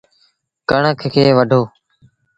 ڪڻڪ کي وڍو۔